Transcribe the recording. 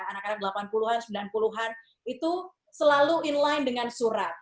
anak anak delapan puluh an sembilan puluh an itu selalu in line dengan surat